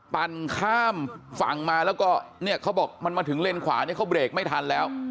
ปั่นข้ามฝั่งมาแล้วก็เนี่ยเขาบอกมันมาถึงเลนขวาเนี่ยเขาเบรกไม่ทันแล้ว